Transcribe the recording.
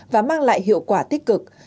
và mang lại hiệu quả tích cực